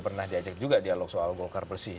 pernah diajak juga dialog soal golkar bersih